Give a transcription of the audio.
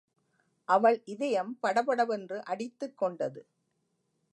அவள் இதயம் படபடவென்று அடித்துக்கொண்டது.